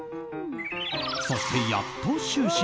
そしてやっと就寝。